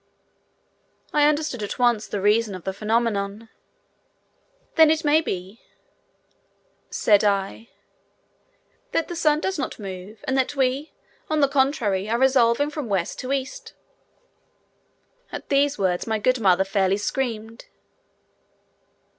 I understood at once the reason of the phenomenon. "Then it may be," said I, "that the sun does not move, and that we, on the contrary, are revolving from west to east." At these words my good mother fairly screamed.